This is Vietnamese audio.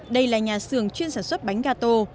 đây là nhà sường chuyên sản xuất bánh gà tô